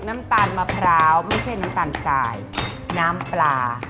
น้ำตาลมะพร้าวไม่ใช่น้ำตาลสายน้ำปลา